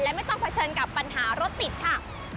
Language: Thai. และไม่ต้องเผชิญกับปัญหารถติดค่ะ